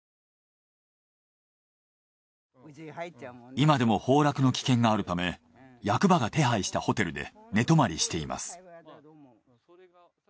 今でも崩落の危険があるため役場が手配したホテルで寝泊まりしています。